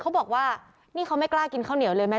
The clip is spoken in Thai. เขาบอกว่านี่เขาไม่กล้ากินข้าวเหนียวเลยไหม